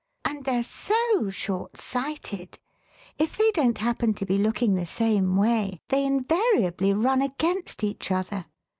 And they're so short sighted ; if they don't happen to be looking the same way they invariably run against each other.